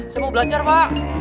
saya mau belajar pak